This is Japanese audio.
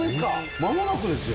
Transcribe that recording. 間もなくですよ。